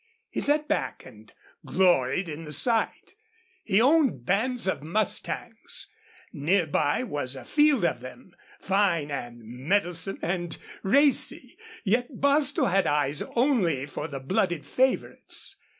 He sat back and gloried in the sight. He owned bands of mustangs; near by was a field of them, fine and mettlesome and racy; yet Bostil had eyes only for the blooded favorites.